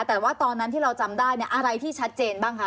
แต่ว่าตอนนั้นที่เราจำได้เนี่ยอะไรที่ชัดเจนบ้างคะ